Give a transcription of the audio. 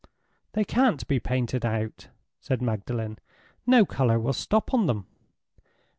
"They can't be painted out," said Magdalen. "No color will stop on them."